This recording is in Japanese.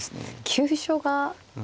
急所が。